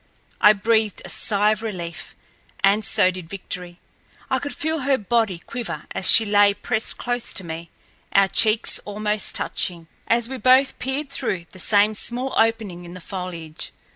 I breathed a sigh of relief, and so did Victory. I could feel her body quiver as she lay pressed close to me, our cheeks almost touching as we both peered through the same small opening in the foliage.